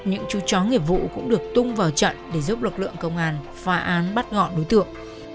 những chú chó nghiệp vụ cũng được tung vào trận để giúp lực lượng công an phá án bắt gọn đối tượng